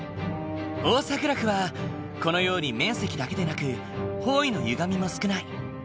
オーサグラフはこのように面積だけでなく方位のゆがみも少ない。